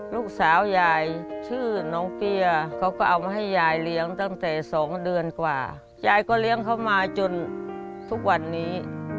ลูกสาวยายชื่อน้องเปี้ยเขาก็เอามาให้ยายเลี้ยงตั้งแต่๒เดือนกว่ายายก็เลี้ยงเขามาจนทุกวันนี้